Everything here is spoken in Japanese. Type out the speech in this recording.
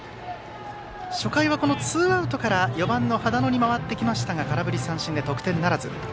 初回はツーアウトから４番の羽田野に回ってきましたが空振り三振で得点ならず。